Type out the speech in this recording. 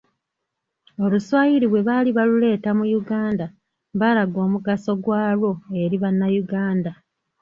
Oluswayiri bwe baali baluleeta mu Uganda baalaga omugaso gwalwo eri Bannayuganda.